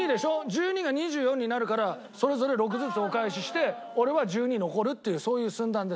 １２が２４になるからそれぞれ６ずつお返しして俺は１２残るっていうそういう算段です。